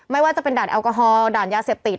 ไม่ว่าจะเป็นด่านแอลกอฮอลด่านยาเสพติด